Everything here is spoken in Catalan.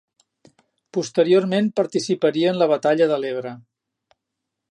Posteriorment participaria en la batalla de l'Ebre.